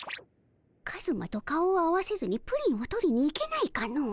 カズマと顔を合わせずにプリンを取りに行けないかの？